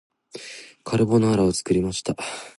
カルボナーラを作りました